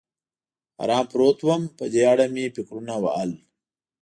ارام پروت ووم، په دې اړه مې فکرونه وهل.